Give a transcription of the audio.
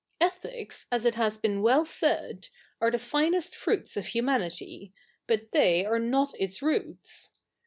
Ethics, as it has been well said, are the fifiest fruits of htimanity, but they aj'e not its roots.